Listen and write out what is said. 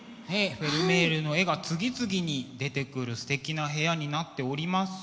フェルメールの絵が次々に出てくるすてきな部屋になっております。